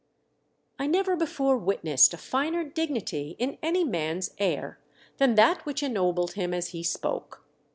I never before witnessed a finer dignity in any man's air than that which ennobled him as he spoke.